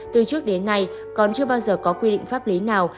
từ trước đến nay còn chưa bao giờ có quy định pháp lý nào